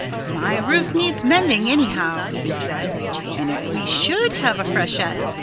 "My roof needed mending, anyhow," he said. "And if we should have a freshet.